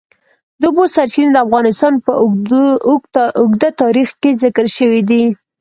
د اوبو سرچینې د افغانستان په اوږده تاریخ کې ذکر شوی دی.